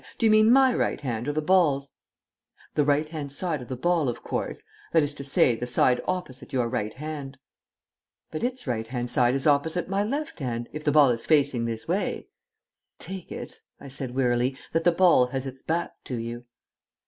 Do you mean my right hand side, or the ball's?" "The right hand side of the ball, of course; that is to say, the side opposite your right hand." "But its right hand side is opposite my left hand, if the ball is facing this way." "Take it," I said wearily, "that the ball has its back to you."